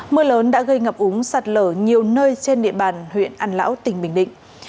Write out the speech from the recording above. mưa lớn đã gây ngập úng sạt lở nhiều nơi trên địa bàn huyện an lão tỉnh bình định